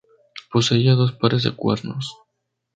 Poseía dos pares de cuernos.